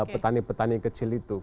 petani petani kecil itu